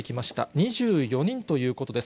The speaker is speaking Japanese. ２４人ということです。